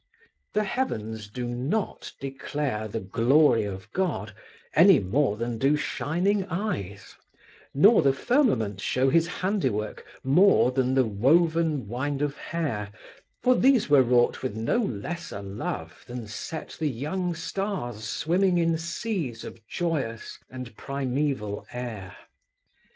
The heavens do not declare the glory of God any more than do shining eyes, nor the firmament show His handiwork more than the woven wind of hair, for these were wrought with no lesser love than set the young stars swimming in seas of joyous and primeval air.